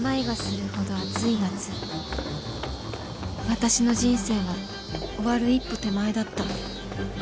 私の人生は終わる一歩手前だった